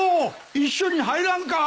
一緒に入らんか？